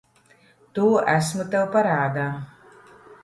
To esmu tev parādā.